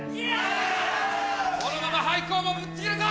このまま廃校もぶっちぎるぞ！